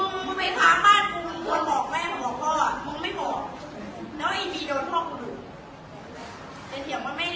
มึงไม่พอแล้วอีกทีโดนพ่อมึงหลุม